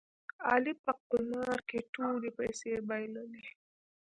علي په قمار کې ټولې پیسې بایلولې.